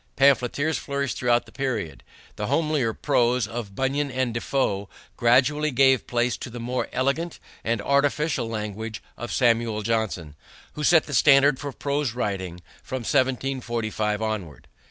Pamphleteers flourished throughout the period. The homelier prose of Bunyan and Defoe gradually gave place to the more elegant and artificial language of Samuel Johnson, who set the standard for prose writing from 1745 onward.